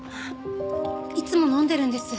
いつも飲んでるんです。